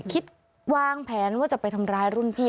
คิดวางแผนว่าจะไปทำร้ายรุ่นพี่